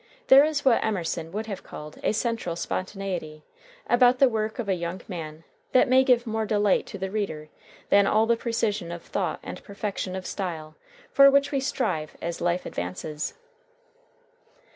There is what Emerson would have called a "central spontaneity" about the work of a young man that may give more delight to the reader than all the precision of thought and perfection of style for which we strive as life advances.